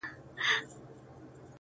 شاعر او شاعره!